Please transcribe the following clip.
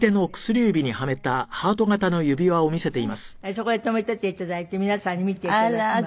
そこで止めていて頂いて皆さんに見て頂きます。